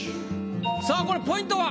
さあこれポイントは？